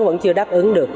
vẫn chưa đáp ứng được